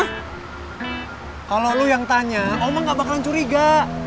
hmm kalau lo yang tanya oma gak bakalan curiga